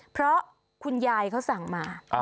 เพราะคุณยายเขาสั่งมา